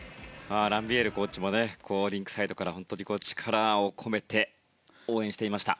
ランビエールコーチもリンクサイドから力を込めて応援していました。